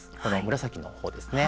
紫のほうです。